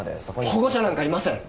保護者なんかいません！